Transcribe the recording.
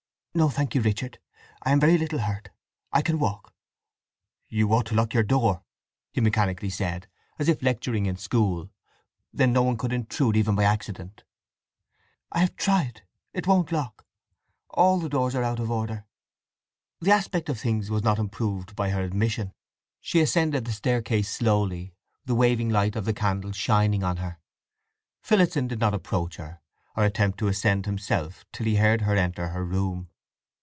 "No thank you, Richard. I am very little hurt. I can walk." "You ought to lock your door," he mechanically said, as if lecturing in school. "Then no one could intrude even by accident." "I have tried—it won't lock. All the doors are out of order." The aspect of things was not improved by her admission. She ascended the staircase slowly, the waving light of the candle shining on her. Phillotson did not approach her, or attempt to ascend himself till he heard her enter her room.